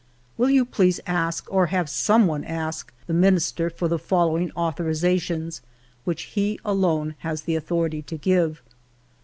..." Will you please ask, or have some one ask, the Minister for the following authorizations, which he alone has the authority to give